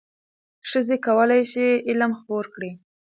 ښځې کولای شي علم خپور کړي.